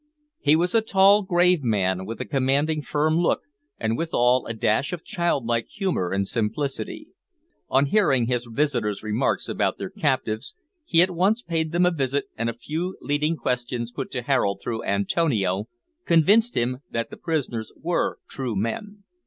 He was a tall grave man, with a commanding firm look, and, withal, a dash of child like humour and simplicity. On hearing his visitors' remarks about their captives, he at once paid them a visit and a few leading questions put to Harold through Antonio convinced him that the prisoners were true men.